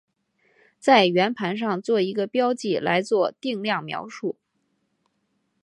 在圆盘上做一个标记来做定量描述。